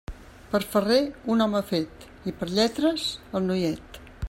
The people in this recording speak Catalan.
Per ferrer, un home fet, i per lletres, el noiet.